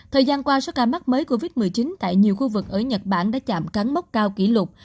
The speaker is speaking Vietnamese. thời gian qua số ca mắc mới covid một mươi chín tại nhiều khu vực ở nhật bản đã chạm cán mốc cao kỷ lục